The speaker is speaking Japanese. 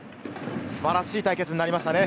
素晴らしい対決になりましたね。